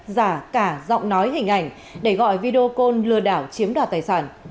giả cả giọng nói hình ảnh để gọi video lừa đảo chiếm đoạt tài sản